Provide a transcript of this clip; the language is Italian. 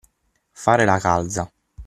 Fare la calza.